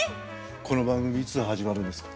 この番組いつ始まるんですか？